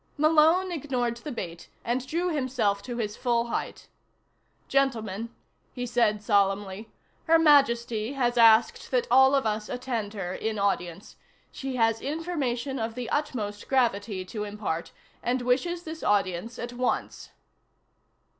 Malone ignored the bait, and drew himself to his full height. "Gentlemen," he said solemnly, "Her Majesty has asked that all of us attend her in audience. She has information of the utmost gravity to impart, and wishes this audience at once."